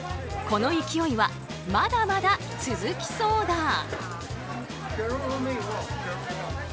この勢いはまだまだ続きそうだ。